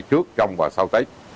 trước trong và sau tết